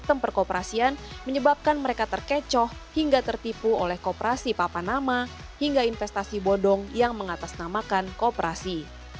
sistem perkoperasian menyebabkan mereka terkecoh hingga tertipu oleh kooperasi papanama hingga investasi bodong yang mengatasnamakan kooperasi